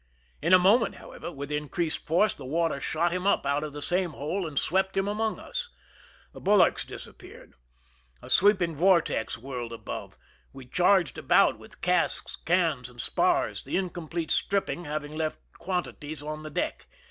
In a moment, however, with increased force, the water shot him up out of the same hole and swept him among us. The bulwarks disappeared. A sweeping vortex whirled above. We charged about with casks, cans, and spars, the incomplete stripping having left quantities on the deck.